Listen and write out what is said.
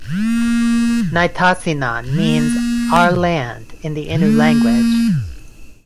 Nitassinan means "our land" in the Innu language.